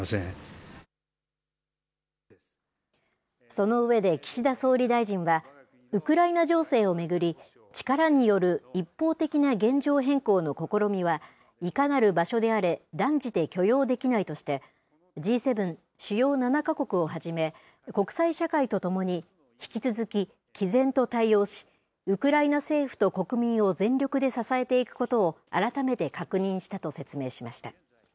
その上で、岸田総理大臣はウクライナ情勢を巡り、力による一方的な現状変更の試みは、いかなる場所であれ断じて許容できないとして、Ｇ７・主要７か国をはじめ、国際社会とともに引き続ききぜんと対応し、ウクライナ政府と国民を全力で支えていくことを、改めて確認したと説明しました。